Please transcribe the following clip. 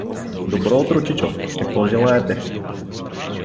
— Добро утро, чичо, какво желаете?